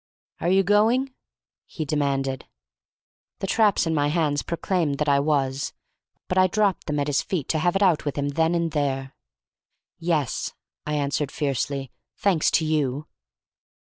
"Are you going?" he demanded. The traps in my hands proclaimed that I was, but I dropped them at his feet to have it out with him then and there. "Yes," I answered fiercely, "thanks to you!"